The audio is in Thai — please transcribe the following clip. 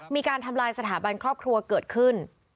มีการทำลายสถาบันครอบครัวเกิดขึ้น